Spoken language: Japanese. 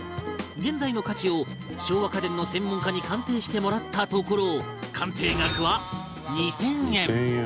現在の価値を昭和家電の専門家に鑑定してもらったところ鑑定額は２０００円